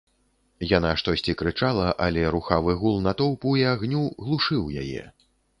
Яна штосьці крычала, але рухавы гул натоўпу і агню глушыў яе.